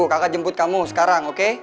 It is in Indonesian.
kakak jemput kamu sekarang oke